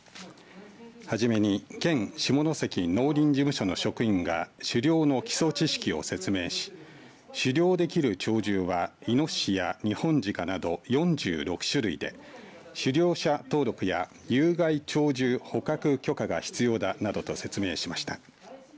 初めに県下関農林事務所の職員が狩猟の基礎知識を説明し狩猟できる鳥獣はイノシシやニホンジカなど４６種類で狩猟者登録や有害鳥獣捕獲許可が必要だなどと説明しました。